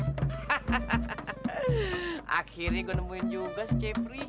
hahaha akhirnya gua nemuin juga si cepri